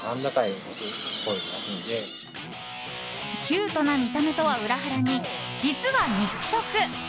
キュートな見た目とは裏腹に実は肉食。